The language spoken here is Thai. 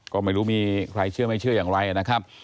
ก็ไม่รู้มีใครเชื่อไม่เชื่ออย่างไรนะครับ